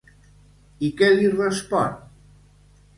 I què li respon?